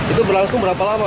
itu berlangsung berapa lama